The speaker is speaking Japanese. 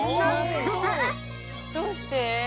どうして？